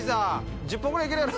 １０本ぐらい行けるやろ。